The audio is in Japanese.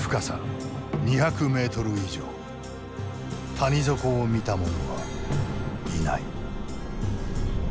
谷底を見た者はいない。